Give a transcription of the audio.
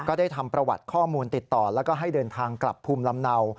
ได้ทำประวัติข้อมูลติดต่อแล้วก็ให้เดินทางกลับภูมิลำเนา